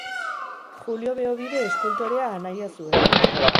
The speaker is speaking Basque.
Julio Beobide eskultorea anaia zuen.